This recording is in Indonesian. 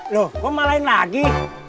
loh kok malahin lagi